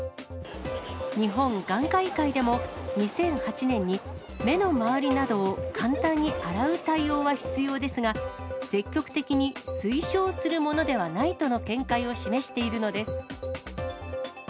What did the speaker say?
日本眼科医会でも、２００８年に目の周りなどを簡単に洗う対応は必要ですが、積極的に推奨するものではないとの見解を示しているのです。